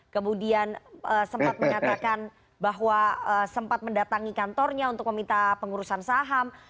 kemudian sempat mengatakan bahwa sempat mendatangi kantornya untuk meminta pengurusan saham